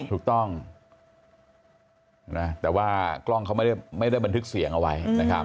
ถูกต้องแต่ว่ากล้องเขาไม่ได้บันทึกเสียงเอาไว้นะครับ